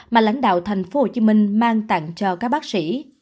mà lãnh đạo thành phố hồ chí minh mang tặng cho các bác sĩ